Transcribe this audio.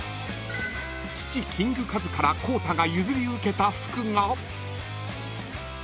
［父キングカズから孝太が譲り受けた服が］